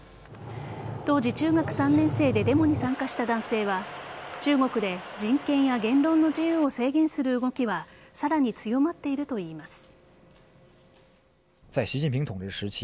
当時中学３年生でデモに参加した男性は中国で人権や言論の自由を制限する動きはさらに強まっているといいます。